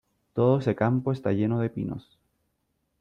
Todo ese campo está lleno de pinos.